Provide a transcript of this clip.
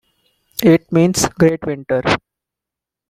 It means "great winter".